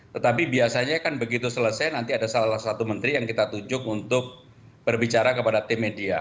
tetapi biasanya kan begitu selesai nanti ada salah satu menteri yang kita tunjuk untuk berbicara kepada tim media